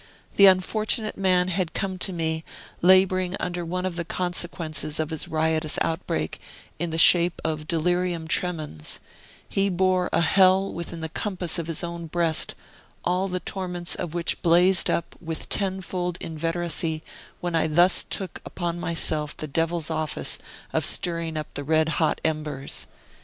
The unfortunate man had come to me, laboring under one of the consequences of his riotous outbreak, in the shape of delirium tremens; he bore a hell within the compass of his own breast, all the torments of which blazed up with tenfold inveteracy when I thus took upon myself the Devil's office of stirring up the red hot embers.